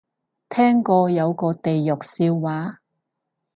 聽過有個地獄笑話